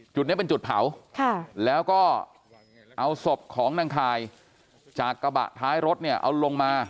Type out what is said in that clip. จุดนี้เป็นจุดเผาแล้วก็เอาศพของนางคายจากกระบะท้ายรถเนี่ยเอาลงมา